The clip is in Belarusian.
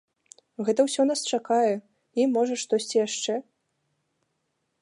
Гэта ўсё нас чакае і, можа, штосьці яшчэ?